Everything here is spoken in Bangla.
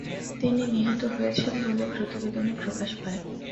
তিনি নিহত হয়েছেন বলে প্রতিবেদনে প্রকাশ পায়।